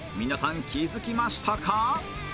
皆さん気づきましたか？